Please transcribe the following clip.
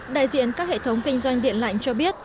đại diện các hệ thống kinh doanh điện lạnh cho biết